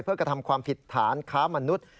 เพื่อกระทำความผิดฐานค้ามนุษย์